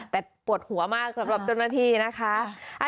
แต่ปวดหัวมากสำหรับเจ้าหน้าที่นะคะ